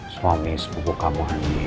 suami sepupu kamu